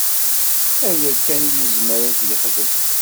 D aya kan i yezmer ad t-yexdem.